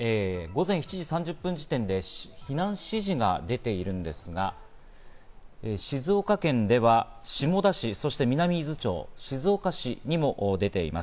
午前７時３０分時点で避難指示が出ているんですが、静岡県では下田市、南伊豆町、静岡市にも出ています。